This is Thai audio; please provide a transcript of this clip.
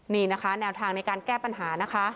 นี่นะคะแนวทางในการแก้ปัญหานะคะ